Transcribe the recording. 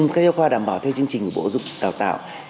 các giáo khoa đảm bảo theo chương trình của bộ giáo dục và đào tạo